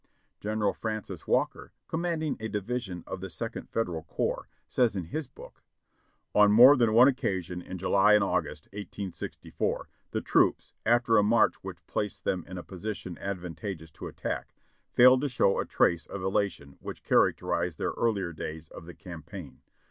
General Francis Walker, commanding a division in the Second Federal Corps, says in his book : "On more than one occasion in July and August, 1864, the troops, after a march which placed them in a position advanta geous to attack, failed to show a trace of elation which character ized their earlier days of the campaign.